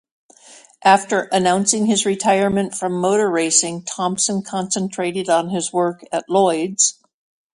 After announcing his retirement from motor racing Thompson concentrated on his work at Lloyd's.